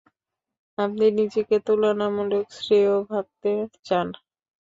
আপনি নিজেকে তুলনামূলক শ্রেয় ভাবতে চান।